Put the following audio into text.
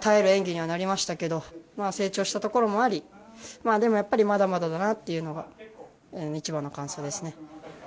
耐える演技にはなりましたけど成長したところもありでも、まだまだだなというのが一番の感想ですね。